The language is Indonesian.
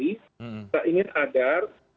kita ingin adar